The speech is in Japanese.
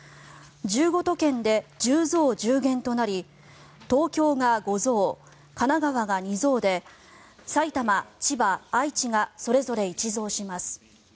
１５都県で１０増１０減となり東京が５増、神奈川が２増で埼玉、千葉、愛知がそれぞれ１増します。